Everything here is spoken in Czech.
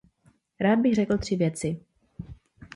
Rád bych řekl tři věci.